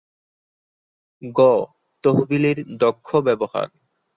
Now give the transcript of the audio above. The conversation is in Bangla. গ. তহবিলের দক্ষ ব্যবহার